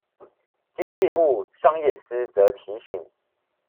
經濟部商業司則提醒